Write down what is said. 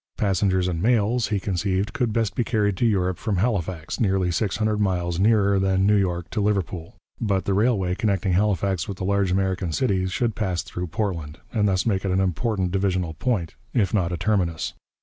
Passengers and mails, he conceived, could best be carried to Europe from Halifax, nearly six hundred miles nearer than New York to Liverpool, but the railway connecting Halifax with the large American cities should pass through Portland, and thus make it an important divisional point, if not a terminus.